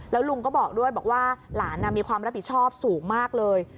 แล้วลุงก็บอกด้วยบอกว่าหลานมีความรับผิดชอบสูงมากเลย